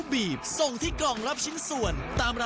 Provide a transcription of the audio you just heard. สุดท้ายค่ะสุดท้ายค่ะ